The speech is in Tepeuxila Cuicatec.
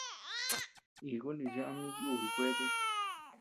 Ikun nichi ama yúbi kuete.